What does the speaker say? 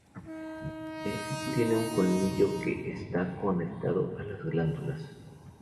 El hocico tiene un colmillo que está conectado a las glándulas.